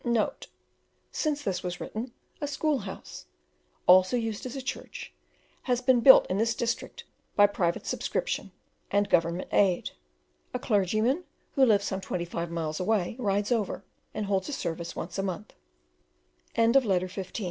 [Note: Since this was written, a school house, also used as a church, has been built in this district by private subscription and Government aid. A clergyman, who lives some twenty five miles away, rides over and holds service once a month.] Letter XVI: A sailing excursion on Lake Col